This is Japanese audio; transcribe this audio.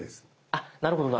あっなるほど。